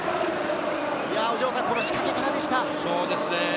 この仕掛けからでした。